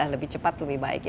lebih cepat lebih baik